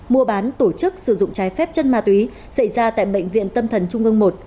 mua bán tổ chức sử dụng trái phép chân ma túy xảy ra tại bệnh viện tâm thần trung ương một